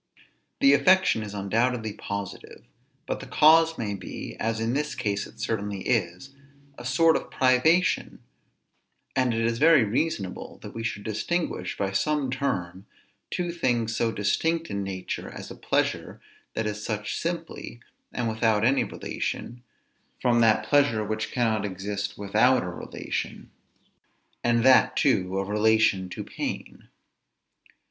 The affection is undoubtedly positive; but the cause may be, as in this case it certainly is, a sort of privation. And it is very reasonable that we should distinguish by some term two things so distinct in nature, as a pleasure that is such simply, and without any relation, from that pleasure which cannot exist without a relation, and that, too, a relation to pain.